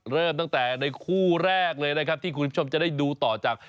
เริ่มตั้งแต่ในคู่แรกเลยนะครับที่คุณผู้ชมจะได้ดูต่อจาก